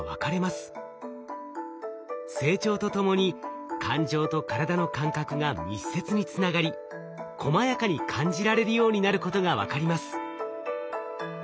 成長とともに感情と体の感覚が密接につながりこまやかに感じられるようになることが分かります。